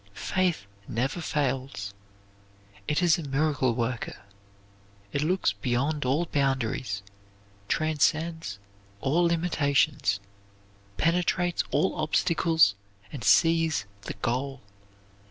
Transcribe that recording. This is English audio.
Faith never fails; it is a miracle worker. It looks beyond all boundaries, transcends all limitations, penetrates all obstacles and sees the goal.